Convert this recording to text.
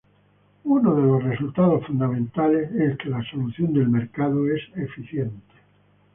Uno de los resultados fundamentales es que la solución de mercado es eficiente.